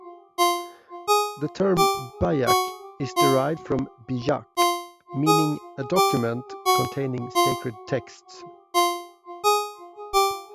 The term Bijak is derived from Bijak, meaning a document containing sacred texts.